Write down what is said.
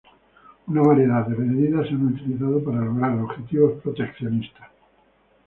Una variedad de medidas se han utilizado para lograr objetivos proteccionistas.